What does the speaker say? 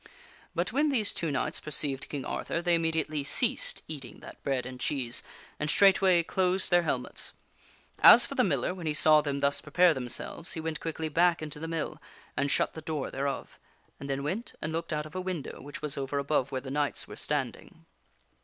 But when these two knights perceived King Arthur, they immediately ceased eating that bread and cheese, and straightway closed their helmets. As for the miller, when he saw them thus prepare themselves, he went quickly back into the mill and shut the door thereof, and then went and looked out of a window which was over above where the knights were standing.